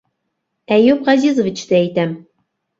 Әйүп Ғәзизовичты әйтәм...